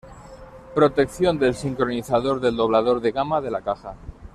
Protección del sincronizador del doblador de gama de la caja.